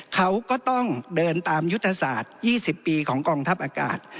เขาก็ต้องเดินตามยุทธศาสตร์๒๐ปีของกองทัพอากาศ